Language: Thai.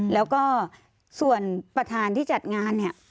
แล้วก็ส่วนประธานที่จัดงานเนี่ย